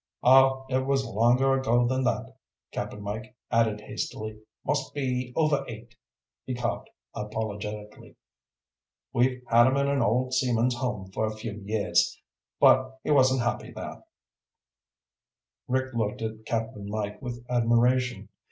"Oh, it was longer ago than that," Cap'n Mike added hastily. "Must be over eight." He coughed apologetically. "We've had him in an old seaman's home for a few years, but he wasn't happy there." Rick looked at Cap'n Mike with admiration.